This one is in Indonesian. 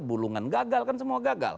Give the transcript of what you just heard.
bulungan gagal kan semua gagal